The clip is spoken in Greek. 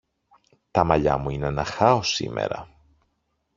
Τα μαλλιά μου είναι ένα χάος σήμερα.